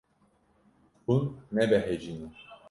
Hûn nebehecî ne.